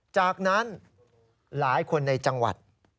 จากนั้นหลายคนในจังหวัด